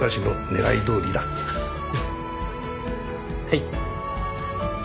はい。